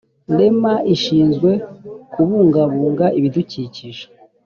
rema ishinzwe kubungabunga ibidukikije